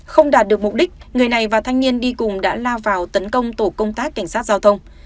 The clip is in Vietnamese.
không đạt được mục đích người này và thanh niên đi cùng đã lao vào tấn công tổ công tác cảnh sát giao thông